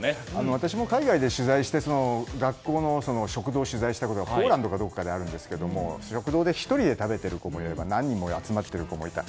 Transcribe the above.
私も海外で学校の食堂を取材したことがポーランドかどこかであるんですが、食堂で１人で食べている子もいれば何人も集まっている人たちもいた。